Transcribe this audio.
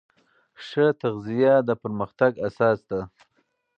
ښه تغذیه د پرمختګ اساس ده.